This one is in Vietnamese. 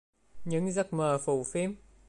Những giấc mơ phù phiếm